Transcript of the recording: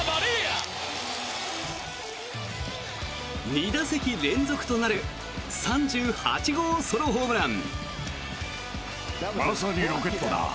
２打席連続となる３８号ソロホームラン。